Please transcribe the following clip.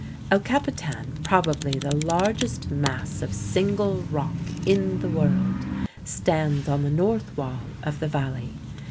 El Capitan, probably the largest mass of single rock in the world, stands on the north wall of the valley.